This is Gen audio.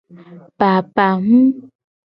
Papawum.